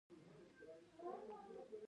هغوی د ژمنې په بڼه هوا سره ښکاره هم کړه.